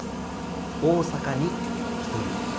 大阪に一人です。